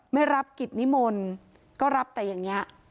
ไม่รับกิจนิมนต์ก็รับแต่อย่างนี้